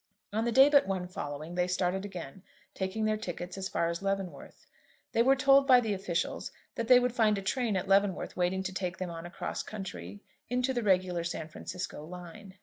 On the day but one following they started again, taking their tickets as far as Leavenworth. They were told by the officials that they would find a train at Leavenworth waiting to take them on across country into the regular San Francisco line.